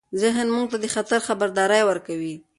ذهن موږ ته د خطر خبرداری ورکوي.